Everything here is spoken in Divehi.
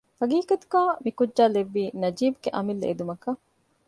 ހަޤީޤަތުގައި މިކުއްޖާ ލެއްވީ ނަޖީބުގެ އަމިއްލަ އެދުމަކަށް